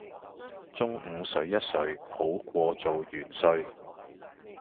中午睡一睡好過做元帥